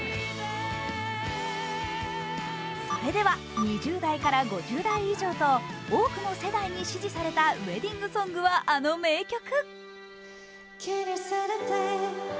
それでは２０代から５０代以上と多くの世代に支持されたウエディングソングはあの名曲。